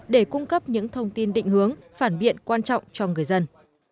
để cung cấp những thông tin định hướng phản biện quan trọng cho người dân